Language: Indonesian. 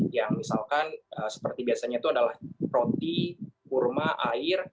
yang misalkan seperti biasanya itu adalah roti kurma air